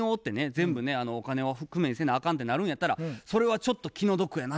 全部ねお金を工面せなあかんってなるんやったらそれはちょっと気の毒やなとも思うんですよね。